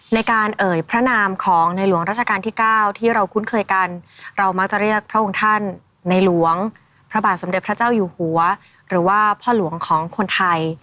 ในการเอ่ยพระนามของในหลวงราชการที่๙ที่เราคุ้นเคยกันเรามักจะเรียกพระองค์ท่านในหลวงพระบาทสมเด็จพระเจ้าอยู่หัวหรือว่าพ่อหลวงของคนไทย